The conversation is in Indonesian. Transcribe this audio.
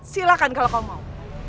silahkan kalau kau mau